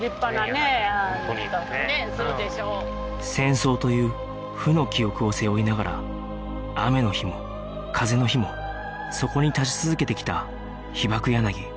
戦争という負の記憶を背負いながら雨の日も風の日もそこに立ち続けてきた被爆柳